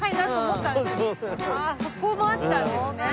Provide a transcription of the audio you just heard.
そこもあったんですね。